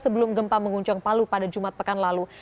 sebelum gempa menguncang palu pada jumat pekan lalu